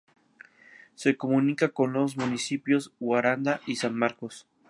Se comunica con los municipios de Guaranda y San Marcos.